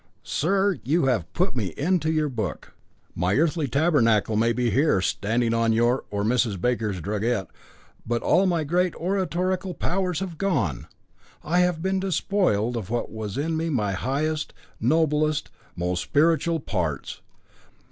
sir! you have put me into your book. My earthly tabernacle may be here, standing on your or Mrs. Baker's drugget but all my great oratorical powers have gone. I have been despoiled of what was in me my highest, noblest, most spiritual parts.